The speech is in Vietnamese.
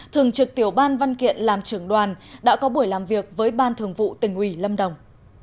thường trực tiểu ban văn kiện làm trưởng đoàn đã có buổi làm việc với ban thường vụ tỉnh ủy lâm đồng